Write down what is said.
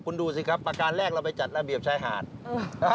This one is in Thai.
คุณดูสิครับประการแรกเราไปจัดระเบียบชายหาดอืม